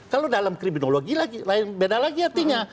kalau dalam kriminologi lain beda lagi artinya